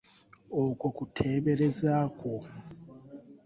Okwo kuteebereza kwo